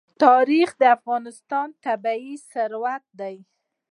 تاریخ د افغانستان طبعي ثروت دی.